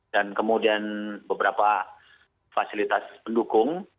dan kemudian beberapa fasilitas pendukung